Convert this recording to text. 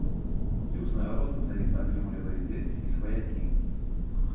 І ўзнагароды за іх атрымлівалі дзеці і сваякі.